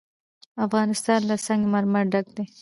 افغانستان له سنگ مرمر ډک دی.